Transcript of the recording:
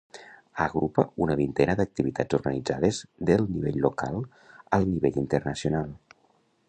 Agrupa una vintena d'activitats organitzades del nivell local al nivell internacional.